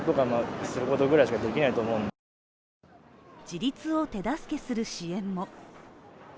自立を手助けする支援も。